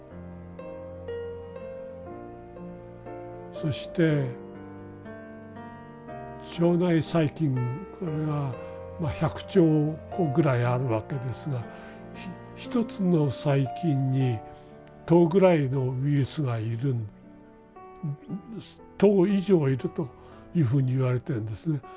そして腸内細菌これがまあ１００兆個ぐらいあるわけですが１つの細菌に１０ぐらいのウイルスがいる１０以上いるというふうにいわれてんですね。